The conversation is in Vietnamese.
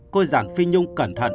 cô giảng phi nhung cẩn thận